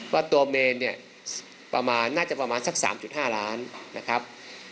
ว่าตัวเมนน่าจะประมาณสัก๓๕ล้านนะครับ